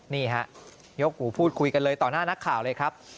นี่ฮะยกหูพูดคุยกันเลยต่อหน้านักข่าวเลยครับ